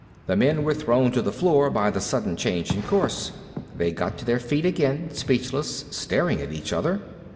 The men were thrown to the floor by the sudden change in course. They got to their feet again, speechless, staring at each other.